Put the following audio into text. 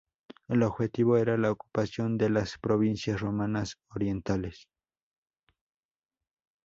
El objetivo era la ocupación de las provincias romanas orientales.